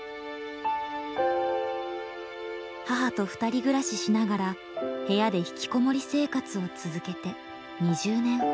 母と２人暮らししながら部屋でひきこもり生活を続けて２０年ほど。